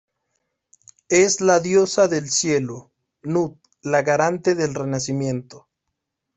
Es la diosa del cielo, Nut, la garante del renacimiento.